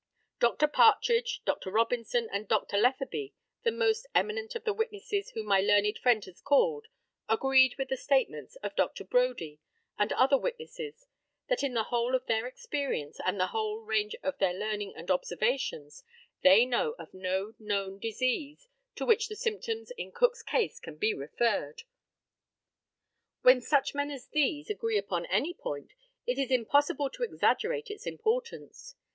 Dr. Partridge, Dr. Robinson, and Dr. Letheby, the most eminent of the witnesses whom my learned friend has called, agreed with the statements of Dr. Brodie and other witnesses, that in the whole of their experience, and in the whole range of their learning and observations, they know of no known disease to which the symptoms in Cook's case can be referred. When such men as these agree upon any point, it is impossible to exaggerate its importance.